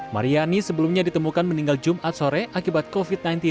mariani sebelumnya ditemukan meninggal jumat sore akibat covid sembilan belas